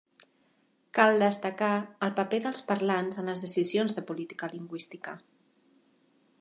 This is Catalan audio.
Cal destacar el paper dels parlants en les decisions de política lingüística.